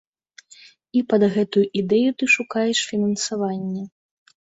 І пад гэтую ідэю ты шукаеш фінансаванне.